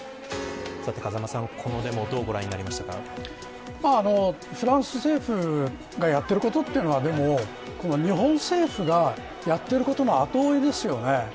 風間さん、このデモフランス政府がやっていることは日本政府がやっていることの後追いですよね。